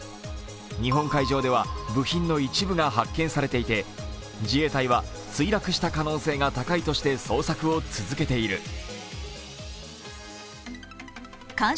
日本海上では部品の一部が発見されていて自衛隊は墜落した可能性が高いとして捜索を続けている。